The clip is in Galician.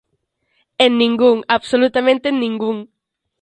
En ningún, absolutamente en ningún.